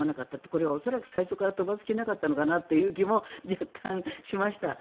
これは恐らく最初から飛ばす気はなかったのかなという気も若干しました。